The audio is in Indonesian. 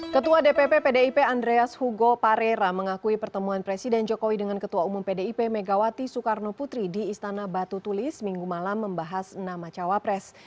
ketua dpp pdip andreas hugo parera mengakui pertemuan presiden jokowi dengan ketua umum pdip megawati soekarno putri di istana batu tulis minggu malam membahas nama cawapres